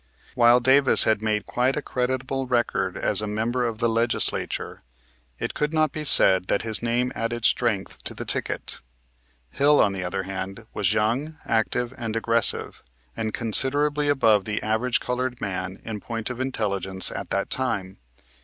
While Davis had made quite a creditable record as a member of the Legislature, it could not be said that his name added strength to the ticket. Hill, on the other hand, was young, active, and aggressive, and considerably above the average colored man in point of intelligence at that time.